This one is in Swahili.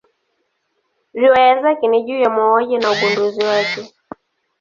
Riwaya zake ni juu ya mauaji na ugunduzi wake.